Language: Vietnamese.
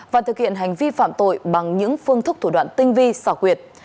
và thực hiện hành vi phạm tội bằng những phương thức thủ đoạn tinh vi xảo quyệt